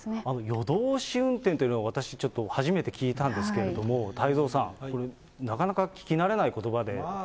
夜通し運転というのは私ちょっと、初めて聞いたんですけれども、太蔵さん、なかなか聞き慣れないことばで。